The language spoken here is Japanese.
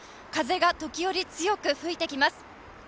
風が時折、強く吹いてきます。